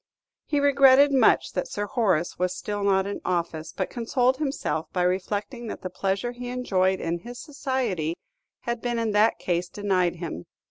He regretted much that Sir Horace was not still in office, but consoled himself by reflecting that the pleasure he enjoyed in his society had been in that case denied him.